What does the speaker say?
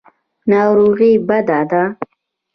ناروغي بده ده.